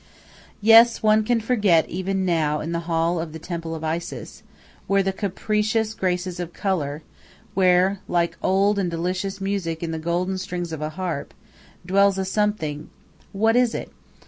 Yes, one can forget even now in the hall of the temple of Isis, where the capricious graces of color, where, like old and delicious music in the golden strings of a harp, dwells a something what is it?